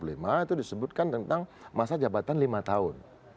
seribu sembilan ratus empat puluh lima itu disebutkan tentang masa jabatan lima tahun